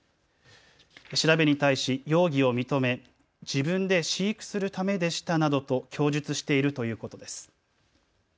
調べに対し容疑を認め自分で飼育するためでしたなどと供述しているということです。